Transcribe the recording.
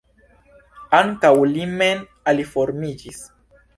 Ankaŭ li mem aliformiĝis.